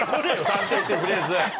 探偵ってフレーズ！